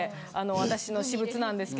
私の私物なんですけど。